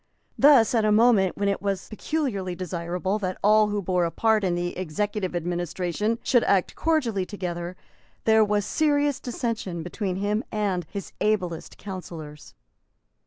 Thus, at a moment at which it was peculiarly desirable that all who bore a part in the executive administration should act cordially together, there was serious dissension between him and his ablest councillors.